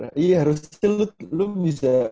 tapi harusnya lu bisa